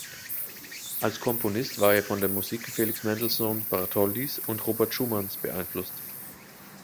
Als Komponist war er von der Musik Felix Mendelssohn Bartholdys und Robert Schumanns beeinflusst.